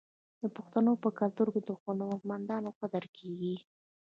د پښتنو په کلتور کې د هنرمندانو قدر کیږي.